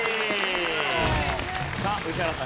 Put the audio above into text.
さあ宇治原さん